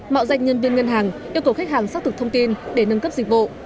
mạo danh nhân viên ngân hàng yêu cầu khách hàng xác thực thông tin để nâng cấp dịch vụ